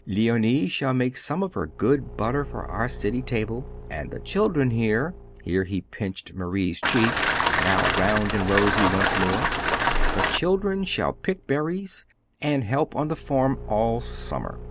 Leonie shall make some of her good butter for our city table, and the children" here he pinched Marie's cheek, now round and rosy once more "the children shall pick berries and help on the farm all summer.